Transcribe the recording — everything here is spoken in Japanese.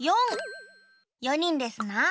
４にんですな。